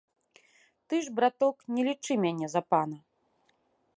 Ты ж, браток, не лічы мяне за пана.